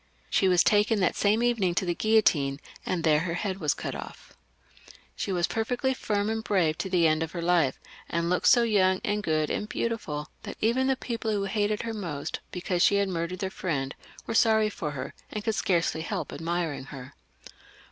She was taken that same evening to the guillotine, and there her head was cut off. She was perfectly firm and brave to the end of her life, and looked so young and good and beautiful that even the people who hated her most, because she had murdered their friend, were sorry for her, and could scarcely help admiring her.